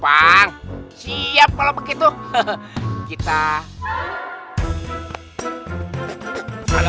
jangan berpikir je inf je